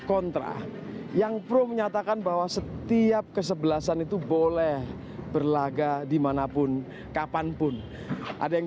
kontra yang pro menyatakan bahwa setiap kesebelasan itu boleh berlaga dimanapun kapanpun ada yang